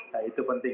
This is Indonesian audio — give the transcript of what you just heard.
nah itu penting